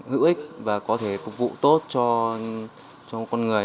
hữu ích và có thể phục vụ tốt cho con người